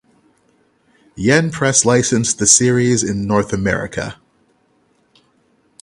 Yen Press licensed the series in North America.